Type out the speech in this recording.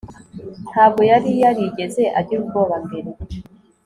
ntabwo yari yarigeze agira ubwoba mbere